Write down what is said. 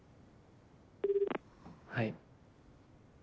はい。